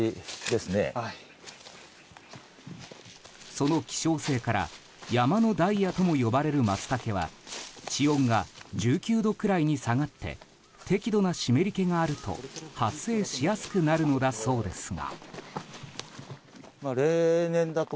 その希少性から山のダイヤとも呼ばれるマツタケは地温が１９度くらいに下がって適度な湿り気があると発生しやすくなるのだそうですが。